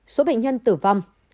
số bệnh nhân tử vong